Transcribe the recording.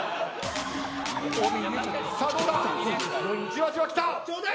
じわじわきた。